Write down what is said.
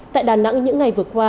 tại đà nẵng những ngày vừa qua